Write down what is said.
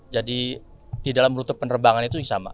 jadi di dalam rute penerbangan itu sama